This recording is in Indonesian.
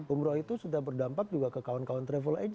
umroh itu sudah berdampak juga ke kawan kawan travel adc